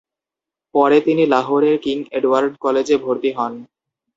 পরে তিনি লাহোরের কিং এডওয়ার্ড কলেজে ভর্তি হন।